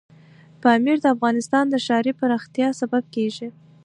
پامیر د افغانستان د ښاري پراختیا سبب کېږي.